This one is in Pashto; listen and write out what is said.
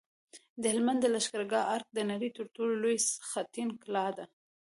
د هلمند د لښکرګاه ارک د نړۍ تر ټولو لوی خټین کلا ده